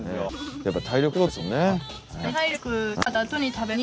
やっぱ体力仕事ですもんね。